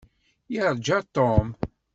Irǧa Tom.